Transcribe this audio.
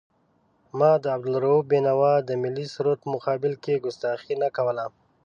ما د عبدالرؤف بېنوا د ملي سرود په مقابل کې کستاخي نه کوله.